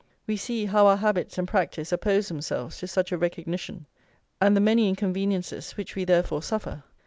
We see how our habits and practice oppose themselves to such a recognition, and the many inconveniences which we therefore suffer.